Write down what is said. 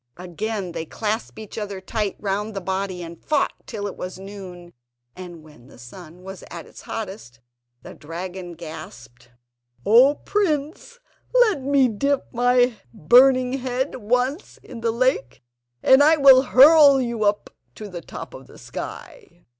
Again they clasped each other tight round the body and fought till it was noon, and when the sun was at its hottest, the dragon gasped: "O prince, let me dip my burning head once in the lake, and I will hurl you up to the top of the sky."